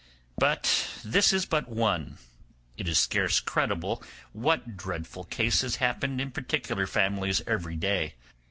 But this is but one; it is scarce credible what dreadful cases happened in particular families every day.